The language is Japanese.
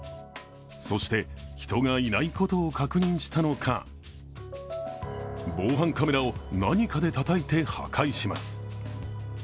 そして、人がいないことを確認したのか防犯カメラを何かでたたいて破壊します。